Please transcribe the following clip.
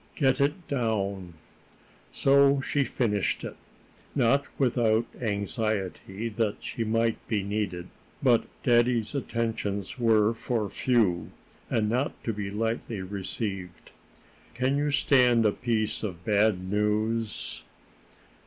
"Get it down." So she finished it, not without anxiety that she might be needed. But daddy's attentions were for few, and not to be lightly received. "Can you stand a piece of bad news?"